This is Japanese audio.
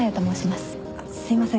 すいません。